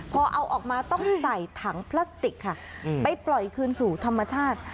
พอเอาออกมาต้องใส่ถังพลาสติกค่ะไปปล่อยคืนสู่ธรรมชาติ